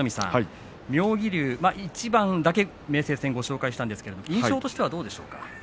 妙義龍、一番だけ明生戦をご紹介しましたが印象としてはどうですか。